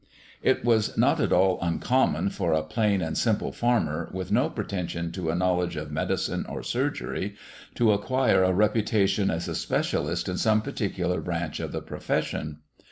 It was not at all uncommon for a plain and simple farmer, with no pretension to a knowledge of medicine or surgery, to acquire a reputation as a specialist in some particular branch of the profession.